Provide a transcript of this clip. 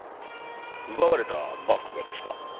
奪われたバッグがですか？